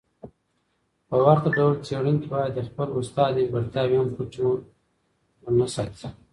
په ورته ډول څېړونکی باید د خپل استاد نیمګړتیاوې هم پټي ونه ساتي.